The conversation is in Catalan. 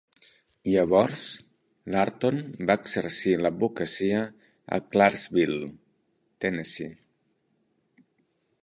Llavors, Lurton va exercir l'advocacia a Clarksville, Tennessee.